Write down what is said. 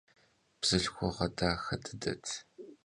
Bzılhxuğe daxe dıdet.